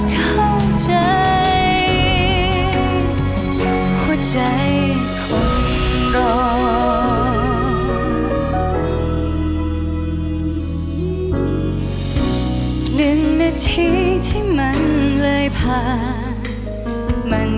คือความรักของเราที่เคยมีให้กัน